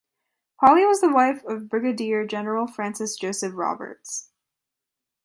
Polly was the wife of Brigadier General Francis Joseph Roberts.